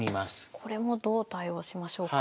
これもどう対応しましょうか？